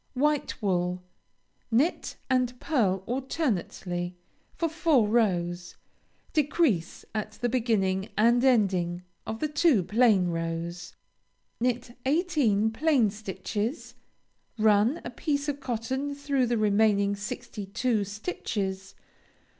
White wool Knit and pearl alternately for four rows; decrease at the beginning and ending of the two plain rows. Knit eighteen plain stitches, run a piece of cotton through the remaining sixty two stitches.